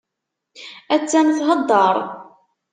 Attan theddeṛ.